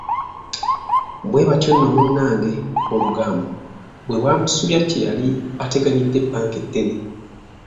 Bwe batyo nno munnnange olugambo bwe lwamusubya kye yali ateganidde ebbanga eddene.